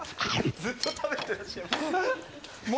ずっと食べてらっしゃいますね。